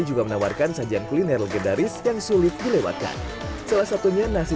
juga menawarkan sajian kuliner legendaris yang sulit dilewatkan salah satunya nasi